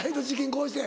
こうして。